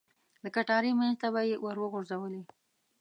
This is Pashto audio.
د کټارې منځ ته به یې ور وغوځولې.